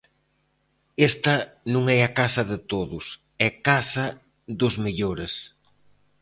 Esta non é a casa de todos, é casa dos mellores.